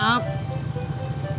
hampir aja bang